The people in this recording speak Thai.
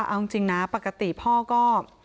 เอาจริงนะปกติพ่อก็